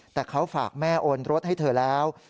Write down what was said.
แต่เขาฝากแม่โอนรถให้เธอแล้ว